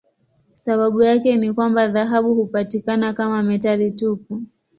Sababu yake ni kwamba dhahabu hupatikana kama metali tupu.